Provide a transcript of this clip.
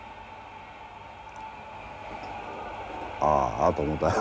ああと思うたよ